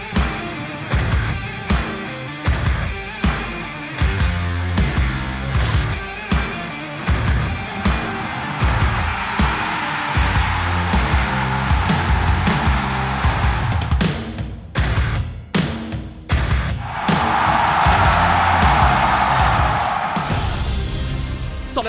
ถูกต่อสู่กันขึ้นกำลัง